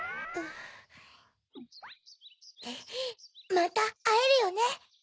またあえるよね？